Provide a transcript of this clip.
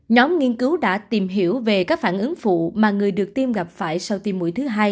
nhóm nghiên cứu đã tìm hiểu về các phản ứng phụ mà người được tiêm gặp phải sau tiêm mũi thứ hai